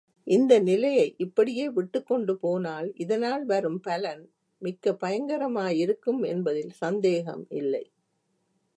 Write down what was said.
இந்த நிலையை இப்படியே விட்டுக்கொண்டு போனால், இதனால் வரும் பலன் மிக்க பயங்கரமாயிருக்கும் என்பதில் சந்தேகம் இல்லை.